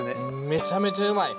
めちゃめちゃうまい。